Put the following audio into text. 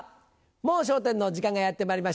『もう笑点』の時間がやってまいりました。